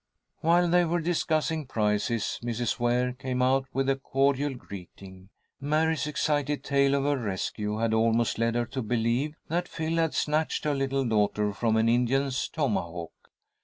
While they were discussing prices, Mrs. Ware came out with a cordial greeting. Mary's excited tale of her rescue had almost led her to believe that Phil had snatched her little daughter from an Indian's tomahawk.